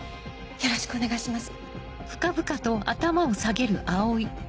よろしくお願いします。